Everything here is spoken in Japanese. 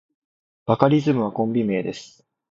バカリズムはコンビ名です。